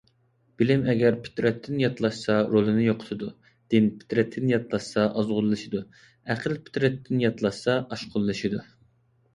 بىلىم ئەگەر پىترەتتىن ياتلاشسا رولىنى يوقىتىدۇ. دىن پىترەتتىن ياتلاشسا ئازغۇنلىشىدۇ. ئەقىل پىترەتتىن ياتلاشسا ئاشقۇنلىشىدۇ.